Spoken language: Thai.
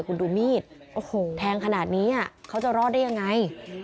คุณดูมีดแทงขนาดนี้เขาจะรอดได้อย่างไร